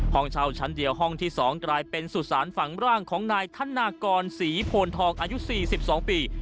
ห้องเช่าชั้นเดียวห้องที่๒กลายเป็นสุสานฝังร่างของนายธนากรศรีโพนทองอายุ๔๒ปี